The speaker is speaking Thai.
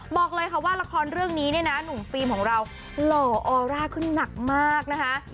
บอกเลยค่ะว่าละครเรื่องนี้เนี่ยนะหนุ่มฟิล์มของเราหล่อออร่าขึ้นหนักมากนะคะ